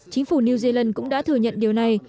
chính phủ new zealand cũng đã thừa nhận điều này